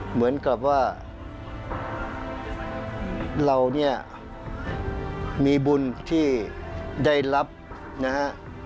เหมือนกับว่าเราเนี่ยมีบุญที่ได้รับนะฮะ